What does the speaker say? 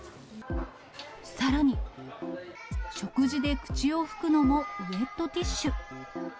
さらに、食事で口を拭くのもウエットティッシュ。